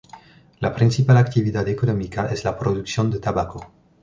La principal actividad económica es la producción de tabaco.